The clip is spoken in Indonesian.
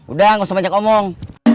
udah gak usah banyak omong